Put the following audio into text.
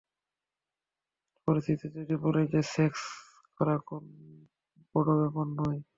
পরিস্থিতি যদি বলে যে, সেক্স করা কোন বড় ব্যাপার নয়।